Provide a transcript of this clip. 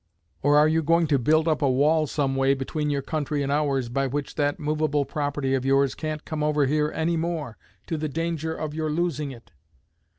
Or are you going to build up a wall some way between your country and ours, by which that movable property of yours can't come over here any more, to the danger of your losing it?